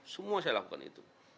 semua saya lakukan itu